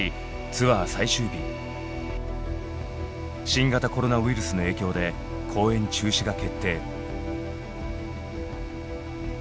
新型コロナウイルスの影響で公演中止が決定。